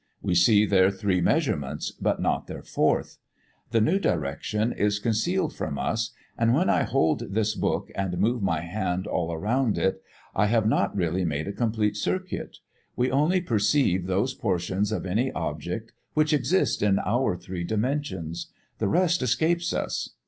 We see their three measurements, but not their fourth. The new direction is concealed from us, and when I hold this book and move my hand all round it I have not really made a complete circuit. We only perceive those portions of any object which exist in our three dimensions; the rest escapes us.